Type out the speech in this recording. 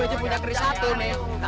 aku punya keris satu nih